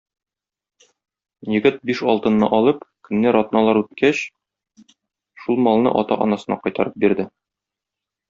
Егет, биш алтынны алып, көннәр, атналар үткәч, шул малны ата-анасына кайтарып бирде.